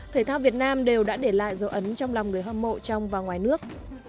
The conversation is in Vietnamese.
thể thao việt nam đều đã để lại dấu ấn trong lòng người hâm mộ trong và ngoài nước